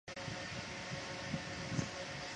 绿花茶藨子为虎耳草科茶藨子属下的一个种。